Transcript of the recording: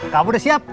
kamu sudah siap